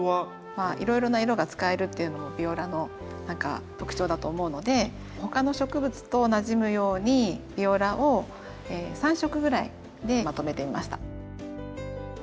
まあいろいろな色が使えるっていうのもビオラの何か特徴だと思うので他の植物となじむようにビオラを３色ぐらいでまとめてみました。